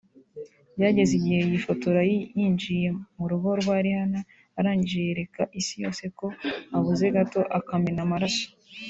Byageze igihe yifotora yinjiye mu rugo rwa Rihanna arangije yereka Isi yose ko habuze gato akamena amaraso